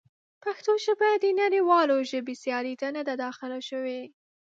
پښتو ژبه د نړیوالو ژبو سیالۍ ته نه ده داخله شوې.